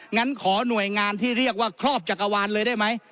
งั้นขอหน่วยงานที่เรียกว่าครอบจักรวาลเลยได้ไหม